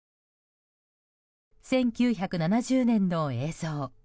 １９７０年の映像。